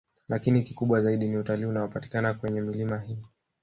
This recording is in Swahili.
Lakini kikubwa zaidi ni utalii unaopatikana kwenye milima hii